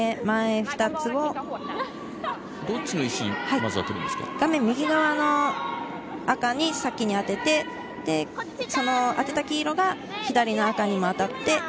前２つを画面右の赤に先に当てて、当てた黄色が左の赤に当たって